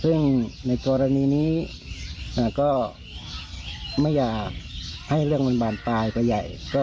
ซึ่งในกรณีนี้ก็ไม่อยากให้เรื่องมันบานปลายไปใหญ่